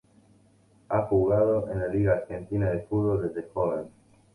Ha jugado en la Liga argentina de fútbol desde joven.